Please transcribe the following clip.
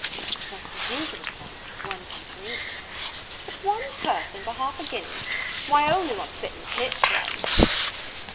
"Just as usual, Sir, one person each." "But one person for half a guinea! why, I only want to sit in the pit, friend."